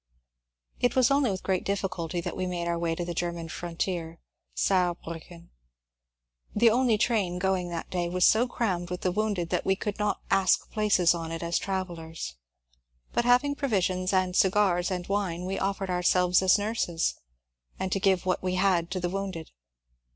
It was only with great difficulty that we made our way to the German frontier (Saarbriicken). The only train going that day was so crammed with the wounded that we could not ask places on it as travellers, but having provisions and cigars and wine we offered ourselves as nurses, and to give what we had to the wounded.